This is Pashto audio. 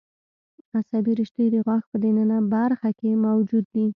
عصبي رشتې د غاښ په د ننه برخه کې موجود دي.